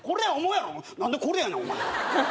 何でこれやねん。